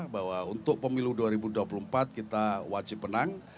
bahwa untuk pemilu dua ribu dua puluh empat kita wajib menang